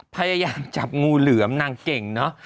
พยายามจับงูเหลือมนางเก่งเนอะ